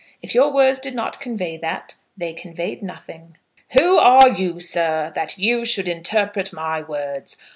If your words did not convey that, they conveyed nothing." "Who are you, sir, that you should interpret my words?